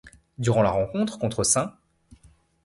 Durant la rencontre contre St.